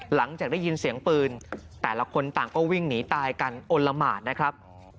หลังจากได้ยินเสียงปืนแต่ละคนต่างก็วิ่งหนีตายกันอลละหมาดนะครับ